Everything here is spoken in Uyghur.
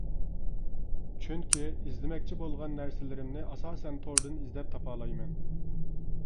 چۈنكى ئىزدىمەكچى بولغان نەرسىلىرىمنى ئاساسەن توردىن ئىزدەپ تاپالايمەن.